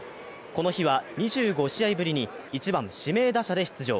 この日は２５試合ぶりに１番・指名打者で出場。